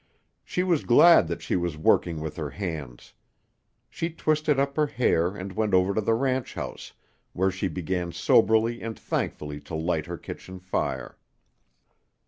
She was glad that she was working with her hands. She twisted up her hair and went over to the ranch house where she began soberly and thankfully to light her kitchen fire.